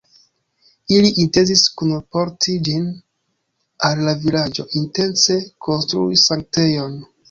Ili intencis kunporti ĝin al la vilaĝo intence konstrui sanktejon.